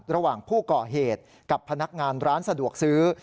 ระหว่างผู้ก่อเหตุกับพนักงานร้านสะดวกซื้อ